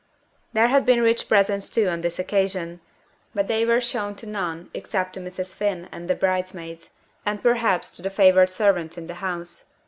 There had been rich presents too on this occasion, but they were shown to none except to Mrs. Finn and the bridesmaids, and perhaps to the favoured servants in the house.